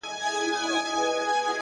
هغه به دروند ساتي چي څوک یې په عزت کوي؛